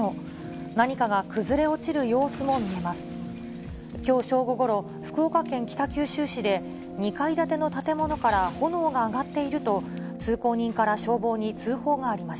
何かが崩れ落ちる様子も見えます。